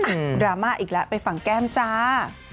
ดราม่าอีกแล้วไปฟังแก้มจ้า